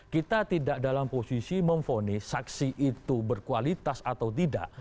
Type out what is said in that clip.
kita tidak dalam posisi memfonis saksi itu berkualitas atau tidak